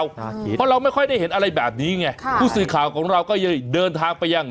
เพราะเราไม่ค่อยได้เห็นอะไรแบบนี้ไงค่ะผู้สื่อข่าวของเราก็เลยเดินทางไปยัง